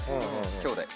きょうだい。